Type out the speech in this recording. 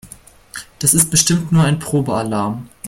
Das ist bestimmt nur ein Probealarm.